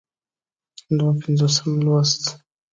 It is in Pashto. دوه پينځوسم لوست